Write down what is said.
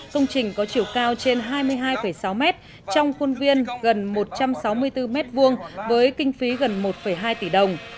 công trình có chiều cao trên hai mươi hai sáu mét trong khuôn viên gần một trăm sáu mươi bốn m hai với kinh phí gần một hai tỷ đồng